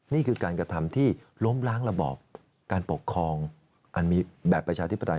นี่คือการกระทำที่ล้มล้างระบอบการปกครองอันมีแบบประชาธิปไตย